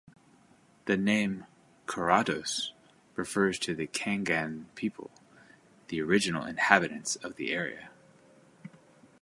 The name "Coroados" refers to the Kaingang people, the original inhabitants of the area.